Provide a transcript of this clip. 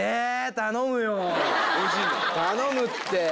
頼むって。